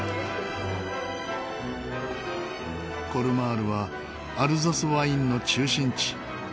コルマールはアルザスワインの中心地。